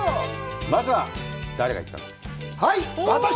まずは、誰が行ったの？